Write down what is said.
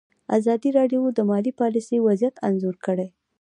ازادي راډیو د مالي پالیسي وضعیت انځور کړی.